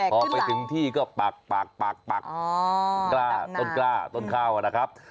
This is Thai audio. พอไปถึงที่ก็ปากปากกล้าต้นกล้าต้นข้าวนะครับ